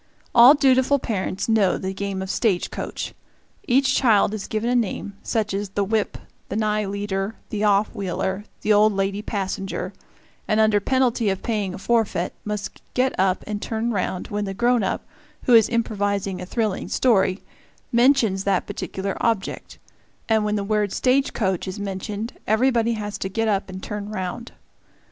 All dutiful parents know the game of "stage coach"; each child is given a name, such as the whip, the nigh leader, the off wheeler, the old lady passenger, and, under penalty of paying a forfeit, must get up and turn round when the grown up, who is improvising a thrilling story, mentions that particular object; and when the word "stage coach" is mentioned, everybody has to get up and turn round.